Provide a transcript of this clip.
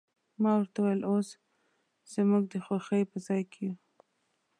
ما ورته وویل، اوس زموږ د خوښۍ په ځای کې یو.